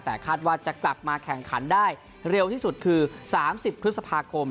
แต่คาดว่าจะกลับมาแข่งขันได้เร็วที่สุดคือ๓๐พฤษภาคม